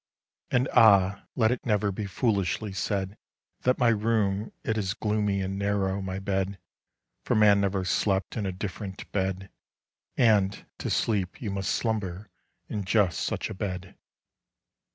And ah! let it neverBe foolishly saidThat my room it is gloomy, And narrow my bed; For man never sleptIn a different bed—And, to sleep, you must slumberIn just such a bed.